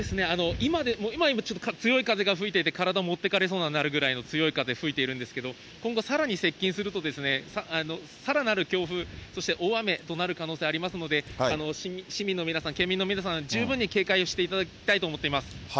今でもちょっと強い風が吹いていて、体持ってかれそうになるくらいの強い風、吹いているんですけど、今後、さらに接近すると、さらなる強風、そして大雨となる可能性ありますので、市民の皆さん、県民の皆さん、十分に警戒をしていただきたいと思っています。